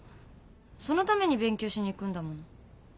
そのために勉強しに行くんだもん。